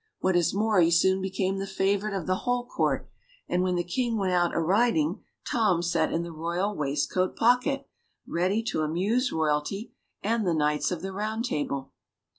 What is more he soon became the favourite of the whole court, and when the King went out a riding Tom sat in the Royal waistcoat pocket ready to amuse royalty and the Knights of the Round Table.